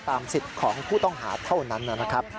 สิทธิ์ของผู้ต้องหาเท่านั้นนะครับ